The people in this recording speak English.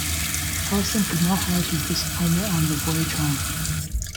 Poston could not hide his disappointment on the voyage home.